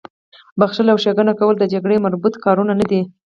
بخښل او ښېګڼه کول د جګړې مربوط کارونه نه دي